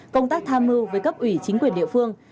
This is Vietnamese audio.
công tác tham mưu với cấp ủy chính quyền địa phương